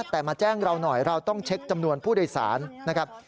แต่มาแจ้งเราหน่อยเราต้องเช็คจำนวนผู้โดยสารนะครับ